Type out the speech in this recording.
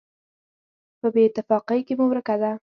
په بېاتفاقۍ کې مو ورکه ده.